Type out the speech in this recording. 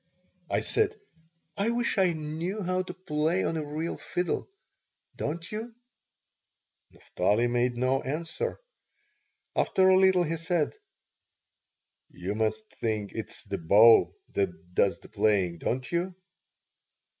I said: "I wish I knew how to play on a real fiddle, don't you?" Naphtali made no answer. After a little he said: "You must think it is the bow that does the playing, don't you?"